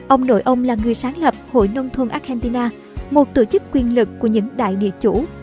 ông nội ông là người sáng lập hội nông thôn argentina một tổ chức quyền lực của những đại địa chủ